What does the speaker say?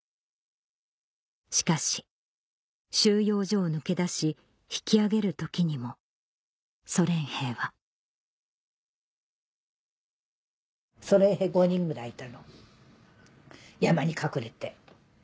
しかし収容所を抜け出し引き揚げる時にもソ連兵はソ連兵５人ぐらいいたの山に隠れて。